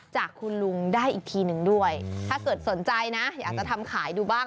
จากคุณลุงได้อีกทีหนึ่งด้วยถ้าเกิดสนใจนะอยากจะทำขายดูบ้าง